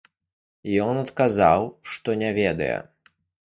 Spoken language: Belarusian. Ён адказаў, што не ведае.